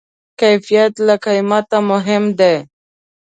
کیفیت له قیمته مهم دی.